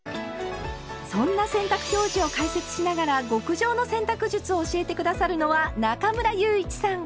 そんな洗濯表示を解説しながら極上の洗濯術を教えて下さるのは中村祐一さん。